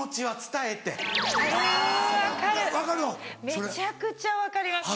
めちゃくちゃ分かります。